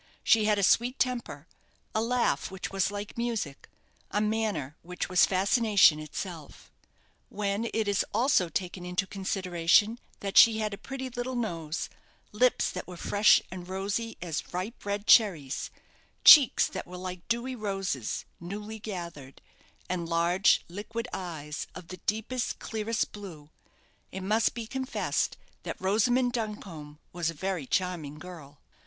She had a sweet temper; a laugh which was like music; a manner which was fascination itself. When it is also taken into consideration that she had a pretty little nose, lips that were fresh and rosy as ripe red cherries, cheeks that were like dewy roses, newly gathered, and large, liquid eyes, of the deepest, clearest blue, it must be confessed that Rosamond Duncombe was a very charming girl.